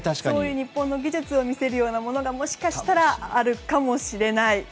日本の技術を見せるようなものがもしかしたらあるかもしれない。